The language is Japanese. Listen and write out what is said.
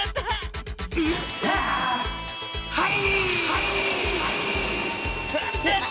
はい！